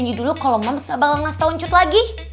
janji dulu kalau moms gak bakal ngasih tau uncut lagi